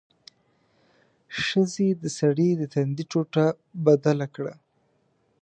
ښځې د سړي د تندي ټوټه بدله کړه.